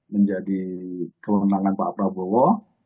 menjadi kewenangan pak prabowo